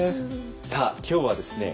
さあ今日はですね